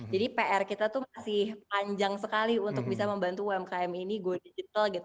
jadi pr kita itu masih panjang sekali untuk bisa membantu umkm ini go digital